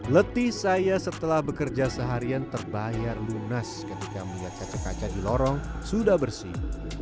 letih saya setelah bekerja seharian terbayar lunas ketika melihat kaca kaca di lorong sudah bersih